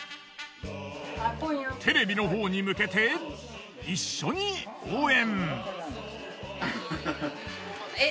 テレビのほうに向けて一緒に応援。